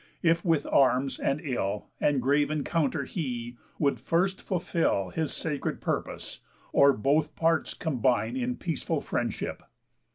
If with arms, and ill, And grave encounter he, would first fulfill His sacred purpose, or both parts combine In peaceful friendship?